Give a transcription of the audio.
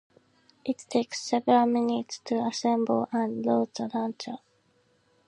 It takes several minutes to assemble and load the launcher.